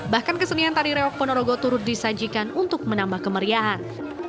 bahkan kesenian tari reok ponorogo turut disajikan untuk menambah kemeriahan